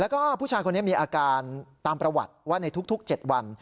แล้วก็ผู้ชายคนนี้มีอาการตามประวัติว่าในทุก๗วัน